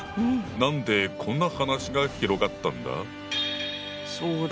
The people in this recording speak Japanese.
何でこんな話が広がったんだ？